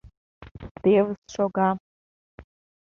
— Тевыс шога.